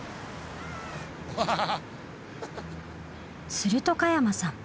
すると加山さん